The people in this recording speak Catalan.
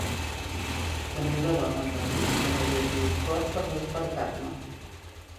La meva dona em va dir que no havia tingut cor per despertar-me